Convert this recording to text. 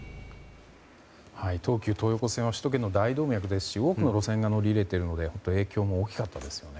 東急東横線は首都圏の大動脈ですし多くの路線が乗り入れているので影響も大きかったですよね。